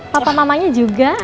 papa mamanya juga